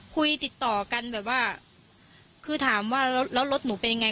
ติดต่อกันแบบว่าคือถามว่าแล้วรถหนูเป็นยังไง